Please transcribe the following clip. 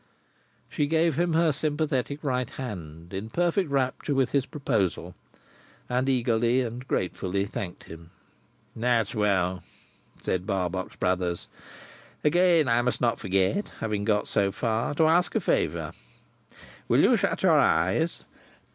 She gave him her sympathetic right hand, in perfect rapture with his proposal, and eagerly and gratefully thanked him. "That's well!" said Barbox Brothers. "Again I must not forget (having got so far) to ask a favour. Will you shut your eyes?"